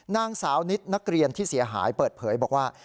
นางสาวนิดนักเรียนที่เสียหายเปิดเผยบอกว่า